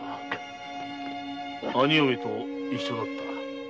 兄嫁と一緒だった。